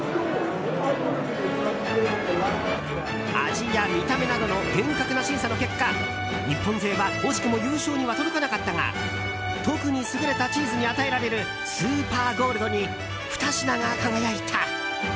味や見た目などの厳格な審査の結果日本勢は惜しくも優勝には届かなかったが特に優れたチーズに与えられるスーパーゴールドに２品が輝いた。